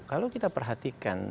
kalau kita perhatikan